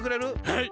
はい！